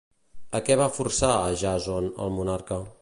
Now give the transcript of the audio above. A què va forçar a Jàson, el monarca?